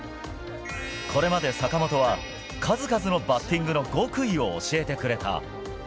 これまで、坂本は数々のバッティングの極意を教えてくれた。